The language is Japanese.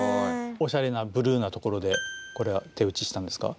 おしゃれなブルーな所でこれは手打ちしたんですか？